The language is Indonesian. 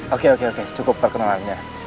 oke oke cukup perkenalannya